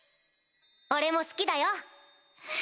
俺も好きだよ。